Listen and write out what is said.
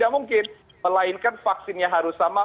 melainkan vaksinnya harus sama